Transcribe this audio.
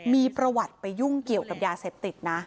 มีประวัติไปยุ่งเกี่ยวกับยาเสพติดนะ